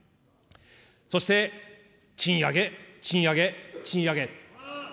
そして賃上げ、賃上げ、賃上げ。